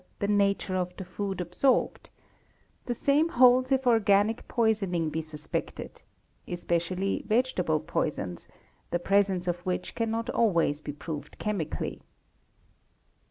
the nature of the food absorbed @; the same holds if organic poisoning be suspected—especially vegetable poisons, the presence of which cannot always be proved chemically®®.